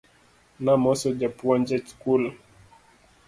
Namoso japuonj e skul